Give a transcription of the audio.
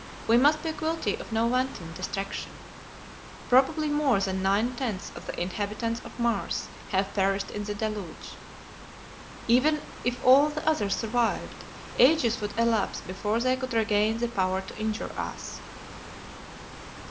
We must be guilty of no wanton destruction. Probably more than nine tenths of the inhabitants of Mars have perished in the deluge. Even if all the others survived ages would elapse before they could regain the power to injure us."